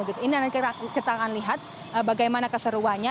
ini nanti kita akan lihat bagaimana keseruannya